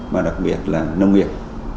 mà đặc biệt là nông nghiệp